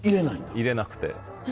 いれなくて。